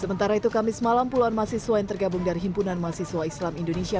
sementara itu kamis malam puluhan mahasiswa yang tergabung dari himpunan mahasiswa islam indonesia